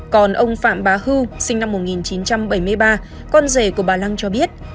còn ông phạm bá hưu sinh năm một nghìn chín trăm bảy mươi ba con rể của bà lăng cho biết